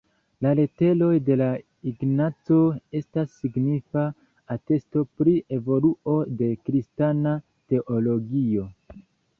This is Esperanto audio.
La Leteroj de Ignaco estas signifa atesto pri evoluo de kristana teologio.